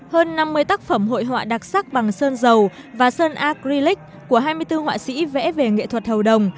hơn năm mươi tác phẩm hội họa đặc sắc bằng sơn dầu và sơn acrylic của hai mươi bốn họa sĩ vẽ về nghệ thuật hầu đồng